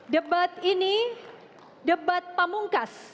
debat ini debat pamungkas